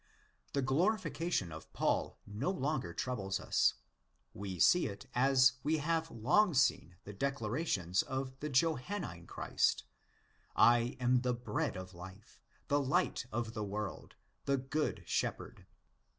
The glorification of Paul no longer troubles us. We see it as we have long seen the declarations of the Johannine Christ: '""Tam the bread of life, the light of the world, the N 178 THE EPISTLES TO THE CORINTHIANS good shepherd."